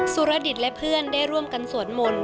รดิตและเพื่อนได้ร่วมกันสวดมนต์